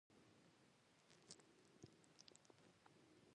زه پر ټولنيزو ارزښتونو نه غږېږم.